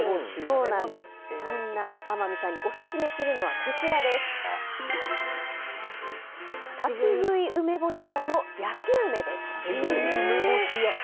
そんな天海さんにオススメするのは立ち喰い梅干し屋の焼き梅です。